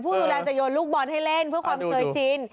ผู้ดูแลจะโยนลูกบอลให้เล่นเพื่อความเคยชิน